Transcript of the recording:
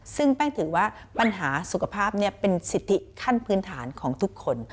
ซึ่งแป้งถือว่าปัญหาสุขภาพเป็นสิทธิขั้นพื้นฐานของทุกคน